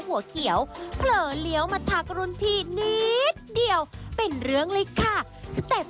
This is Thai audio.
เจ๊ตั้งเวลาหรือครับ